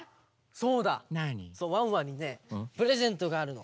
そうワンワンにねプレゼントがあるの。